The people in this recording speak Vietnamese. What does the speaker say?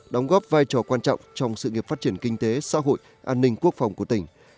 đóng góp vai trò quan trọng trong sự nghiệp phát triển kinh tế xã hội an ninh quốc phòng của tỉnh